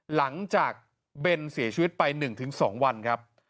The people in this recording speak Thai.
เบนเสียชีวิตไป๑๒วันครับ